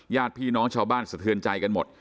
ญาติพี่น้องชาวบ้านสะเทือนใจกันหมด